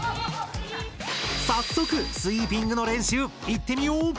早速スイーピングの練習いってみよう！